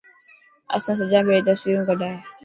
اسان سجان ڀيڙي تصويرو ڪڌائي.